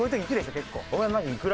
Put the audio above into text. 結構。